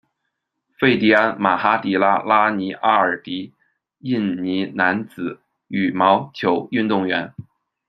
费迪安·马哈迪卡·拉尼阿尔迪，印尼男子羽毛球运动员。